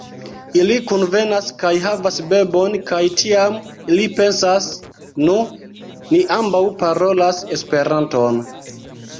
Ili kunvenas kaj havas bebon, kaj tiam, ili pensas, "Nu, ni ambaŭ parolas Esperanton.